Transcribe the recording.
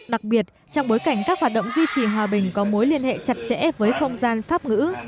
đặc biệt trong bối cảnh các hoạt động duy trì hòa bình có mối liên hệ chặt chẽ với không gian pháp ngữ